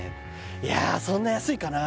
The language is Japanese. いやあそんな安いかなあ